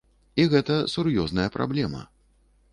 І гэта сур'ёзная праблема.